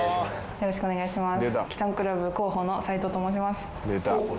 よろしくお願いします。